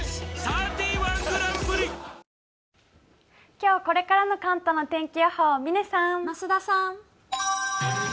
今日これからの関東の天気予報を嶺さん、増田さん。